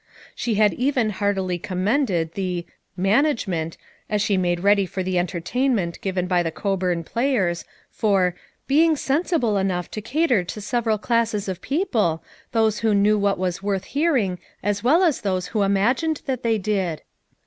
She had even heartily commended the ( 'Man agement" as she made ready for the entertain ment given by the Coburn players, for "being sensible enough to cater to several classes of people, those who knew what was worth hear ing as well as those who imagined that they did."